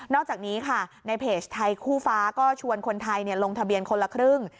อกจากนี้ค่ะในเพจไทยคู่ฟ้าก็ชวนคนไทยลงทะเบียนคนละครึ่ง